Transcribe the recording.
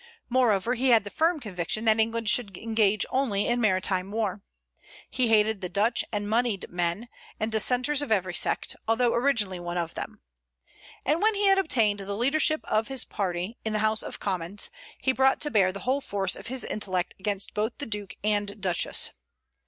Moreover, he had the firm conviction that England should engage only in maritime war. He hated the Dutch and moneyed men, and Dissenters of every sect, although originally one of them. And when he had obtained the leadership of his party in the House of Commons, he brought to bear the whole force of his intellect against both the Duke and Duchess.